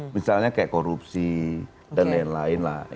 misalnya kayak korupsi dan lain lain lah